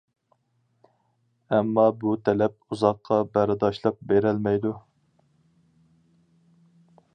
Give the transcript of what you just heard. ئەمما بۇ تەلەپ ئۇزاققا بەرداشلىق بېرەلمەيدۇ.